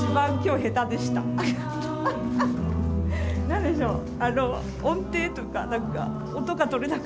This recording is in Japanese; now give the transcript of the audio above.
何でしょう。